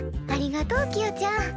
ありがとうキヨちゃん。